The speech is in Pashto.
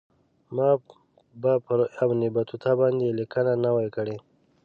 ما به پر ابن بطوطه باندې لیکنه نه وای کړې.